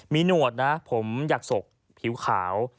มีหนวดนะผมอยากศกผิวขาว